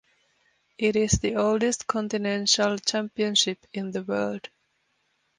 It is the oldest continental championship in the world.